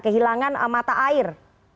kehilangan mata air